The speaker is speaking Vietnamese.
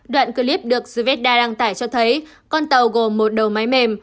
đoạn clip được svedda đăng tải cho thấy con tàu gồm một đầu máy mềm